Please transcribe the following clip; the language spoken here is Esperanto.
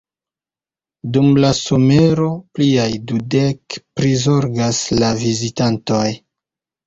Dum la somero pliaj dudek prizorgas la vizitantojn.